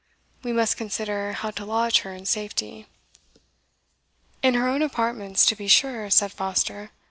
We must consider how to lodge her in safety." "In her own apartments, to be sure," said Foster.